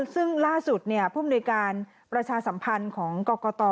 ซึ่งล่าสุดผู้มนุยการประชาสัมพันธ์ของกรกต